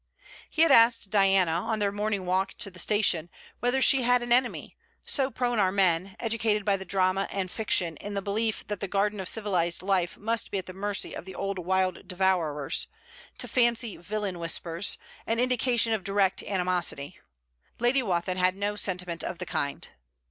He had asked Diana, on their morning walk to the station, whether she had an enemy: so prone are men, educated by the Drama and Fiction in the belief that the garden of civilized life must be at the mercy of the old wild devourers, to fancy 'villain whispers' an indication of direct animosity. Lady Wathin had no sentiment of the kind.